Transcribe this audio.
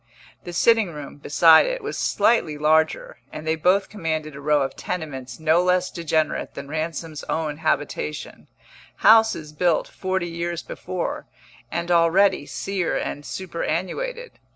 The sitting room, beside it, was slightly larger, and they both commanded a row of tenements no less degenerate than Ransom's own habitation houses built forty years before, and already sere and superannuated.